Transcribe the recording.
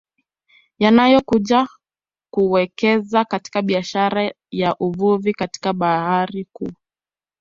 Yanayokuja kuwekeza katika biashara ya Uvuvi katika bahari kuu